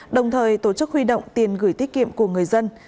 đồng thời tổ chức huy động tiền gửi tiết kiệm của người dân